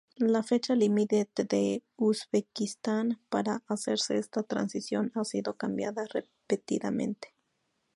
La fecha límite en Uzbekistán para hacer esta transición ha sido cambiada repetidamente.